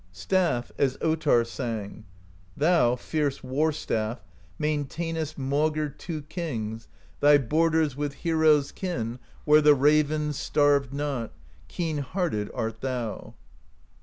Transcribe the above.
Staff, as Ottarr sang: Thou, fierce War Staff, maintainedst Maugre two kings, thy borders THE POESY OF SKALDS i8i With heroes' kin, where the ravens Starved not; keen hearted art thou.